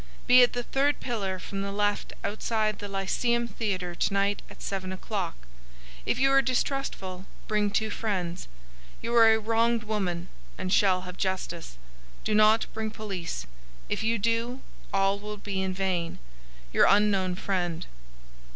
'Be at the third pillar from the left outside the Lyceum Theatre to night at seven o'clock. If you are distrustful, bring two friends. You are a wronged woman, and shall have justice. Do not bring police. If you do, all will be in vain. Your unknown friend.